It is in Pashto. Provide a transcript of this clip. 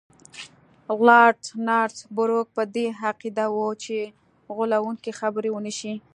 لارډ نارت بروک په دې عقیده وو چې غولونکي خبرې ونه شي.